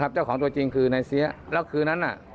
เจ้าของตัวจริงคือนายเสียแล้วคืนนั้น